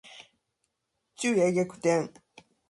昼夜逆転